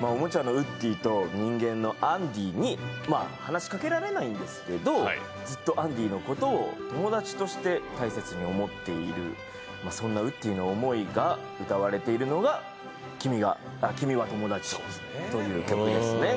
おもちゃのウッディと人間のアンディに話しかけられないんですけどずっとアンディのことを友達として大切に思っている、そんなウッディの思いが歌われているのが「君はともだち」という曲ですね。